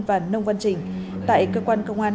và nông văn trình tại cơ quan công an